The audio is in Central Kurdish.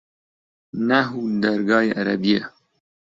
نەحوو دەرگای عەرەبییە